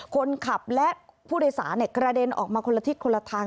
คนขับและผู้โดยสารกระเด็นออกมาคนละทิศคนละทาง